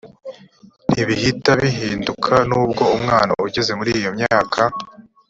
ntibihita bihinduka nubwo umwana ugeze muri iyo myaka